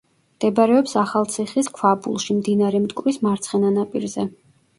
მდებარეობს ახალციხის ქვაბულში, მდინარე მტკვრის მარცხენა ნაპირზე.